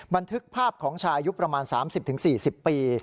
บันทึกภาพของชายอายุประมาณ๓๐๔๐ปี